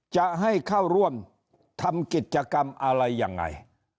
จะให้เข้าร่วมทำกิจกรรมอะไรยังไง